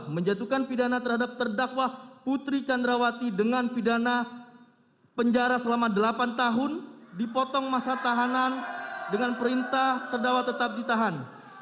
menjatuhkan pidana terhadap terdakwa putri candrawati dengan pidana penjara selama delapan tahun dipotong masa tahanan dengan perintah terdakwa tetap ditahan